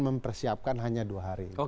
mempersiapkan hanya dua hari